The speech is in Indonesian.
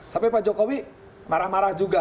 sampai pak jokowi marah marah juga